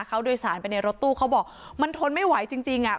เขาโดยสารไปในรถตู้เขาบอกมันทนไม่ไหวจริงจริงอ่ะ